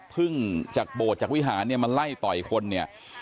พึ่งจากโบสถ์จากวิหารมันไล่ต่ออีกคนเนี่ย